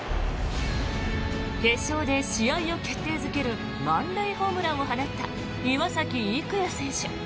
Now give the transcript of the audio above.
決勝で試合を決定付ける満塁ホームランを放った岩崎生弥選手。